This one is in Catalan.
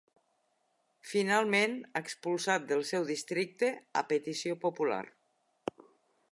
Finalment expulsat del seu districte a petició popular.